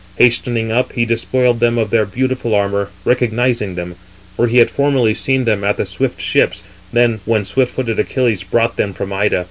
Hastening up, he despoiled them of their beautiful armour, recognizing them; for he had formerly seen them at the swift ships, when swift footed Achilles brought them from Ida.